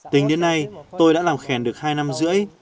tính đến nay tôi đã làm khen được hai năm rưỡi